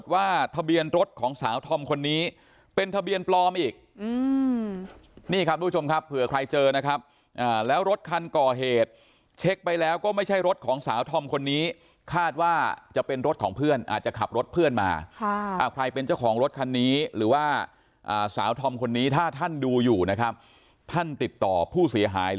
ว่าทะเบียนรถของสาวธอมคนนี้เป็นทะเบียนปลอมอีกนี่ครับทุกผู้ชมครับเผื่อใครเจอนะครับแล้วรถคันก่อเหตุเช็คไปแล้วก็ไม่ใช่รถของสาวธอมคนนี้คาดว่าจะเป็นรถของเพื่อนอาจจะขับรถเพื่อนมาใครเป็นเจ้าของรถคันนี้หรือว่าสาวธอมคนนี้ถ้าท่านดูอยู่นะครับท่านติดต่อผู้เสียหาย